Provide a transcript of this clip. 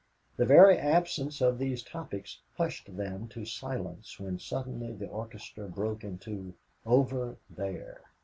The very absence of these topics hushed them to silence when suddenly the orchestra broke into "Over There."